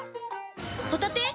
ホタテ⁉